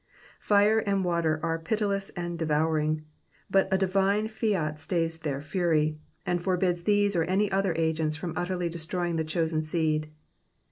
Fire and water are pitile^is and devouring, but a divine fiat btays thtir fuiy, and forbids these or any other agents from utterly destroying the chosen seed.